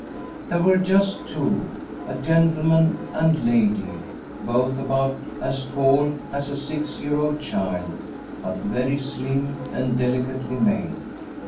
There were just two, a gentleman and lady, both about as tall as a six year old child, but very slim and delicately made.